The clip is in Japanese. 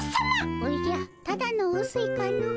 おじゃただのうすいかの。